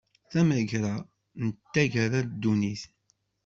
Tamegra, d taggara n ddunit.